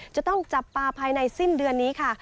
จะต้องจับปลาภายในสิ้นเดือนนี้ค่ะ